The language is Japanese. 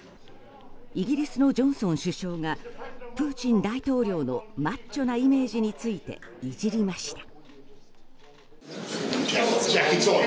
イギリスのジョンソン首相がプーチン大統領のマッチョなイメージについていじりました。